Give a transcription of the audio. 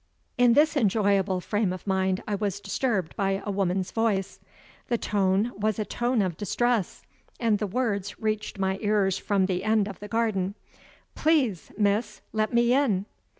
In this enjoyable frame of mind I was disturbed by a woman's voice. The tone was a tone of distress, and the words reached my ears from the end of the garden: "Please, miss, let me in."